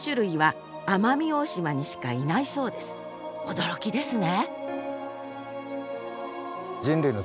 驚きですね！